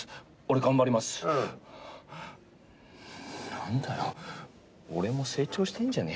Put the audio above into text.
なんだよ俺も成長してんじゃねえか。